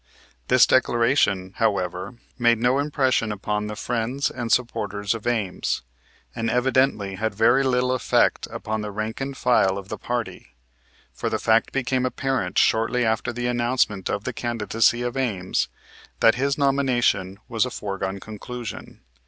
This declaration, however, made no impression upon the friends and supporters of Ames, and evidently had very little effect upon the rank and file of the party; for the fact became apparent shortly after the announcement of the candidacy of Ames that his nomination was a foregone conclusion.